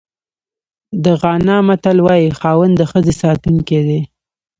د غانا متل وایي خاوند د ښځې ساتونکی دی.